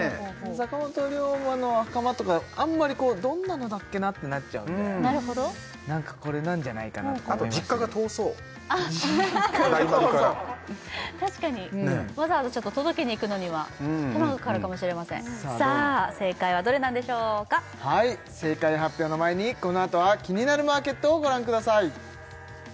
坂本龍馬の袴とかあんまりどんなのだっけなってなっちゃうんでなんかこれなんじゃないかなとかあと実家が遠そう大丸から確かにわざわざちょっと届けにいくのには手間がかかるかもしれませんさあ正解はどれなんでしょうか正解発表の前にこのあとは「キニナルマーケット」をご覧ください